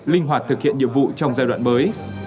linh hoạt thực hiện nhiệm vụ trong giai đoạn mới